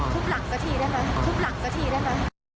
ทุบหลังเจ้าทีได้ไหมทุบหลังเจ้าทีได้ไหม